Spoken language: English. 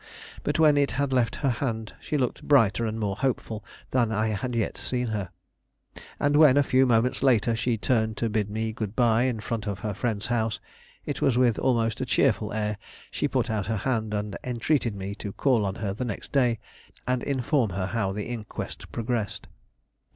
But when it had left her hand, she looked brighter and more hopeful than I had yet seen her. And when, a few moments later, she turned to bid me good by in front of her friend's house, it was with almost a cheerful air she put out her hand and entreated me to call on her the next day, and inform her how the inquest progressed.